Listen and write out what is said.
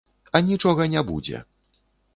А нічога не будзе!